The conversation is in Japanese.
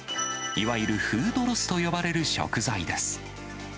いわゆるフードロスと呼ばれる食材です。